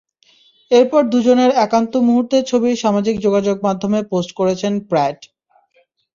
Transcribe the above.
এরপর দুজনের একান্ত মুহূর্তের ছবি সামাজিক যোগাযোগ মাধ্যমে পোস্ট করেছেন প্র্যাট।